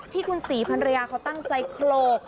ที่คุณศรีพันรยาเขาตั้งใจโขลก